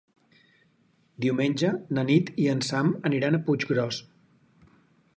Diumenge na Nit i en Sam aniran a Puiggròs.